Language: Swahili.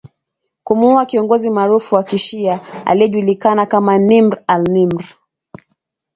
kumuua kiongozi maarufu wa kishia aliyejulikana kama Nimr al Nimr